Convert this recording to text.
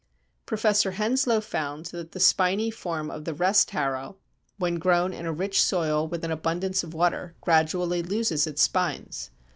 Professor Henslow found that the spiny form of the Rest Harrow, when grown in a rich soil with an abundance of water, gradually loses its spines.